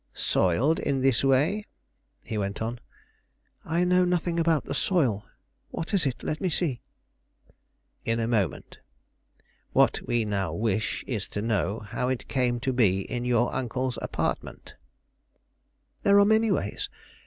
"Soiled in this way?" he went on. "I know nothing about the soil. What is it? let me see." "In a moment. What we now wish, is to know how it came to be in your uncle's apartment." "There are many ways.